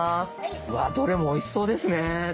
わっどれもおいしそうですね。